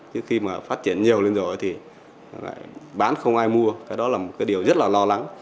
chứ khi mà phát triển nhiều lên rồi thì bán không ai mua cái đó là một cái điều rất là lo lắng